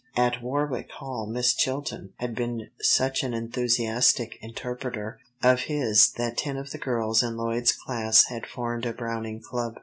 At Warwick Hall Miss Chilton had been such an enthusiastic interpreter of his that ten of the girls in Lloyd's class had formed a Browning club.